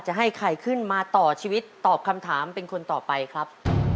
ให้ใครขึ้นมาต่อชีวิตตอบคำถามเป็นคนต่อไปครับ